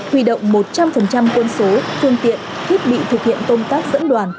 huy động một trăm linh quân số phương tiện thiết bị thực hiện công tác dẫn đoàn